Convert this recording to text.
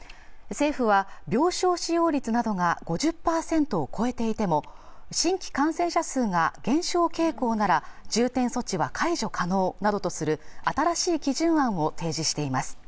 政府は病床使用率などが５０％を超えていても新規感染者数が減少傾向なら重点措置は解除可能などとする新しい基準案を提示しています